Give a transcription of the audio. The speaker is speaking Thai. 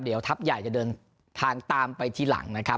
เดี๋ยวทัพใหญ่จะเดินทางตามไปทีหลังนะครับ